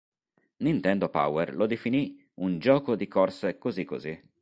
Nintendo Power lo definì "Un gioco di corse così così".